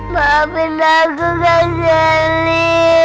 maafin aku kak sally